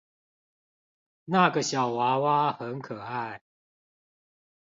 那個小娃娃很可愛